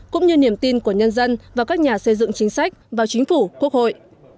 cũng như niềm tin của nhân dân và các nhà xây dựng chính sách vào chính phủ quốc hội